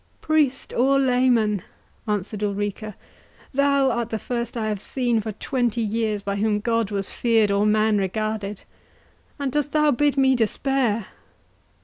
"Priest or layman," answered Ulrica, "thou art the first I have seen for twenty years, by whom God was feared or man regarded; and dost thou bid me despair?"